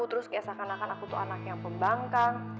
terus kayak seakan akan aku tuh anak yang pembangkang